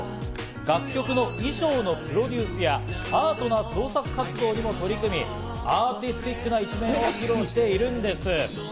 楽曲の衣装のプロデュースや、アートな創作活動にも取り組み、アーティスティックな一面を披露しているんです。